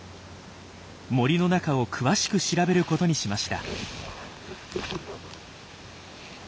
森の中を詳しく調べることにしました。